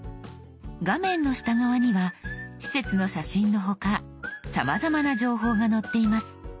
画面の下側には施設の写真の他さまざまな情報が載っています。